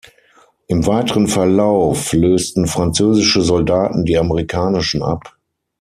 Im weiteren Verlauf lösten französische Soldaten die amerikanischen ab.